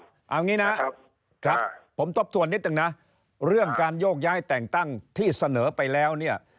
เอางี้นะครับผมทบทวนนิดนึงนะเรื่องการโยกย้ายแต่งตั้งที่เสนอไปแล้วเนี่ย